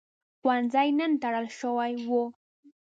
ښوونځی نن تړل شوی و.